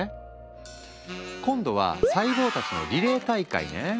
今度は細胞たちのリレー大会ね。